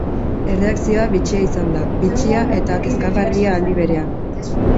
Erreakzioa bitxia izan da, bitxia eta kezkagarria aldi berean.